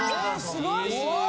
すごい！